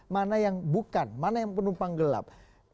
mana yang bukan mana yang penumpang gelap